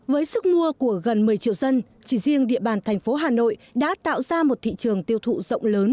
với sức mua của gần một mươi triệu dân chỉ riêng địa bàn thành phố hà nội đã tạo ra một thị trường tiêu thụ rộng lớn